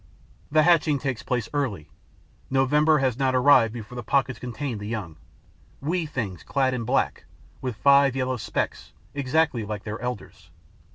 The hatching takes place early. November has not arrived before the pockets contain the young: wee things clad in black, with five yellow specks, exactly like their elders.